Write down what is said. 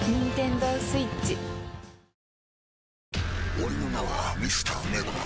俺の名はＭｒ．ＮＥＶＥＲ。